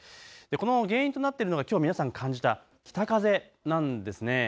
この原因となってるのがきょう皆さん感じた北風なんですね。